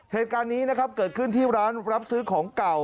เหตุการณ์นี้นะครับเกิดขึ้นที่ร้านรับซื้อของเก่า